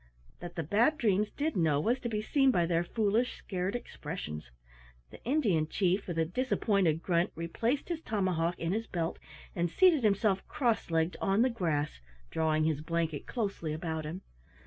That the Bad Dreams did know was to be seen by their foolish scared expressions. The Indian Chief, with a disappointed grunt, replaced his tomahawk in his belt, and seated himself cross legged on the grass, drawing his blanket closely about him.